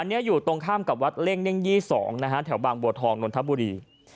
อันนี้อยู่ตรงข้ามกับวัดเล่งเน่ง๒นะฮะแถวบางบัวทองนนทบุรี